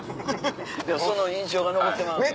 でもその印象が残ってまうねや。